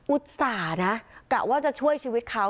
ต่านะกะว่าจะช่วยชีวิตเขา